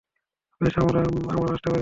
বেশ, আমরা, আমরা আসতে পারি এখন?